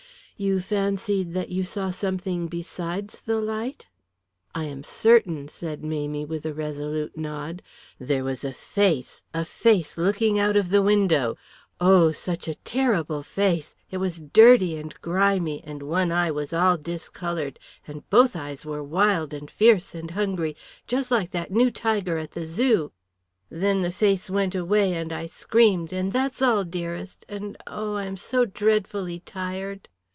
"You fancied that you saw something besides the light?" "I am certain," said Mamie with a resolute nod. "There was a face, a face looking out of the window. Oh, such a terrible face! It was dirty and grimy and one eye was all discoloured, and both the eyes were wild and fierce and hungry, just like that new tiger at the Zoo. Then the face went away and I screamed, and that's all, dearest, and oh, I am so dreadfully tired."